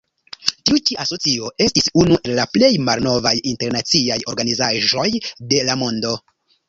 Tiu ĉi asocio estis unu el la plej malnovaj internaciaj organizaĵoj de la mondo.